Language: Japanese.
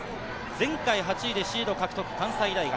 前回８位でシード獲得の関西大学。